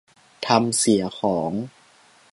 ทำเสียของ